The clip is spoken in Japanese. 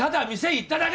行っただけ！？